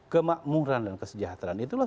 kemakmuran dan kesejahteraan itulah